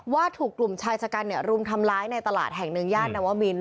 ว่าถูกกลุ่มชายชะกันรุมทำร้ายในตลาดแห่งหนึ่งย่านนวมิน